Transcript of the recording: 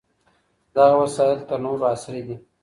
دغه وسايل تر نورو عصري دي.